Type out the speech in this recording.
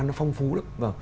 nó phong phú lắm